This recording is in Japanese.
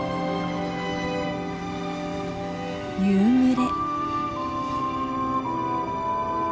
夕暮れ。